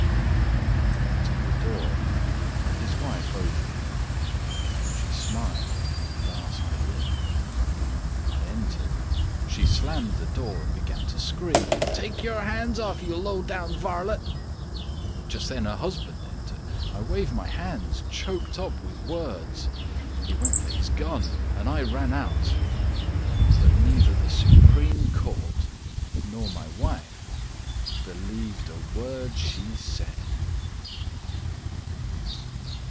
I knocked on the door, and his wife opened; She smiled and asked me in. I entered— She slammed the door and began to scream, "Take your hands off, you low down varlet!" Just then her husband entered. I waved my hands, choked up with words. He went for his gun, and I ran out. But neither the Supreme Court nor my wife Believed a word she said.